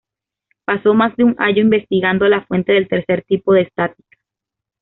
Pasó más de un año investigando la fuente del tercer tipo de estática.